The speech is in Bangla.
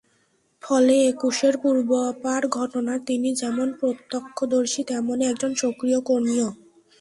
ফলে একুশের পূর্বাপর ঘটনার তিনি যেমন প্রত্যক্ষদর্শী, তেমনি একজন সক্রিয় কর্মীও।